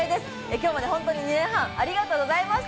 きょうまで本当に２年半、ありがとうございました。